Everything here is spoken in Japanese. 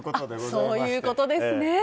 そういうことですね。